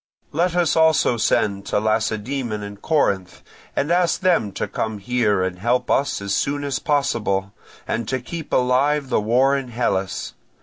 Let us also send to Lacedaemon and Corinth, and ask them to come here and help us as soon as possible, and to keep alive the war in Hellas.